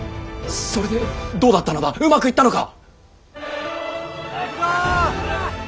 それでどうだったのだうまくいったのか！